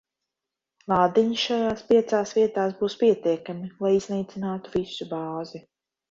Lādiņi šajās piecās vietās būs pietiekami, lai iznīcinātu visu bāzi.